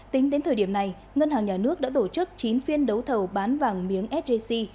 tính đến thời điểm này ngân hàng nhà nước đã tổ chức chín phiên đấu thầu bán vàng miếng sjc